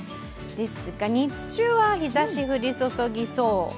ですが、日中は日ざし降り注ぎそう。